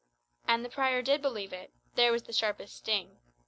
And the prior did believe it there was the sharpest sting.